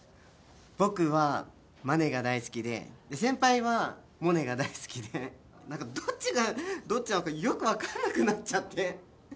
僕はマネが大好きでで先輩はモネが大好きで何かどっちがどっちなのかよく分かんなくなっちゃって。